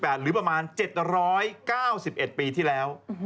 ปี๑๗๑๘หรือประมาณ๗๙๑ปีที่แล้ว